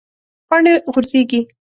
پاڼې غورځیږي